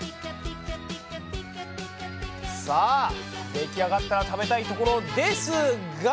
さあできあがったら食べたいところですが！